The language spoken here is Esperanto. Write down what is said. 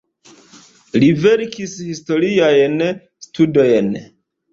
Li verkis historiajn studojn.